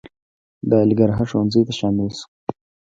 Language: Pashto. د علیګړهه ښوونځي ته شامل شو.